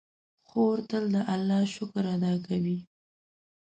خور تل د الله شکر ادا کوي.